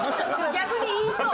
逆に言いそう。